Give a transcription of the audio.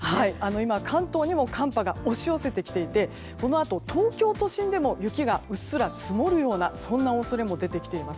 今、関東にも寒波が押し寄せてきていてこのあと東京都心でも雪がうっすら積もるようなそんな恐れも出てきています。